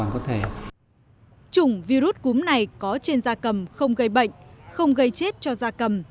chủng virus cúm này có trên ra cầm không gây bệnh không gây chết cho ra cầm